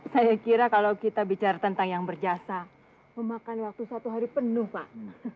saya kira kalau kita bicara tentang yang berjasa memakan waktu satu hari penuh pak